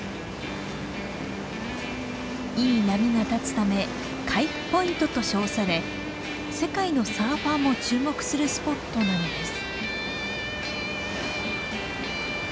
いい波が立つため「カイフポイント」と称され世界のサーファーも注目するスポットなのです。